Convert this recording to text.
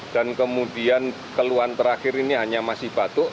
dan kemudian keluhan terakhir ini hanya masih batuk